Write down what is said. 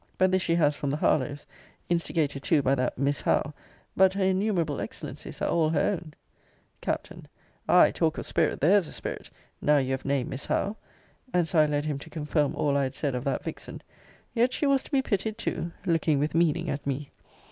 But this she has from the Harlowes; instigated too by that Miss Howe. But her innumerable excellencies are all her own. Capt. Ay, talk of spirit, there's a spirit, now you have named Miss Howe! [And so I led him to confirm all I had said of that vixen.] Yet she was to be pitied too; looking with meaning at me.